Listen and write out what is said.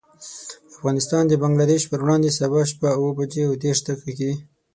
افغانستان د بنګلدېش پر وړاندې، سبا شپه اوه بجې او دېرش دقيقې.